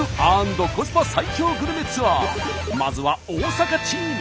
まずは大阪チーム！